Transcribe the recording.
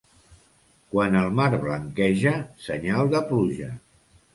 Quan el mar blanqueja, senyal de pluja.